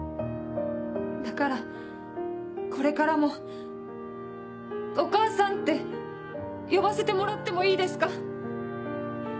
だからこれからも「お母さん」って呼ばせてもらってもいいですか？